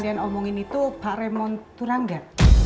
jadi itu prosesnya